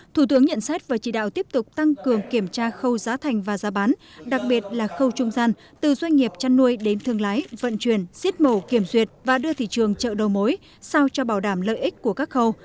thủ tướng nhận xét và chỉ đạo tiếp tục tăng cường kiểm tra khâu giá thành và giá bán đặc biệt là khâu trung gian từ doanh nghiệp chăn nuôi đến thương lái vận chuyển giết mổ kiểm duyệt và đưa thị trường chợ đầu mối sao cho bảo đảm lợi ích của các khâu